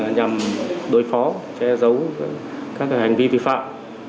nhằm đối phó che giấu các hành vi vi phạm